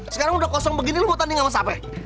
sekarang udah kosong begini lu mau tanding sama si ape